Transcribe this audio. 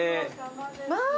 まあ！